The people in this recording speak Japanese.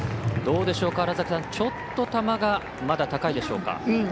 どうでしょう、ちょっとまだ球がまだ高いでしょうか。